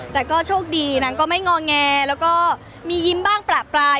แต่ก็โชคดีนางก็ไม่งอแงแล้วก็มียิ้มบ้างประปราย